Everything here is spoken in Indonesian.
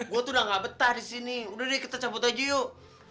gue tuh udah gak betah di sini udah deh kita cabut aja yuk